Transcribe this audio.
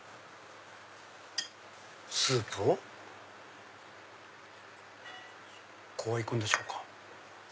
スープをこういくんでしょうか。